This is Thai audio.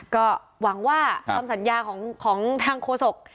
ก็หวังว่าคำสัญญาของทางโฆษก